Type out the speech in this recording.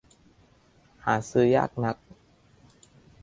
หาซื้อยากนัก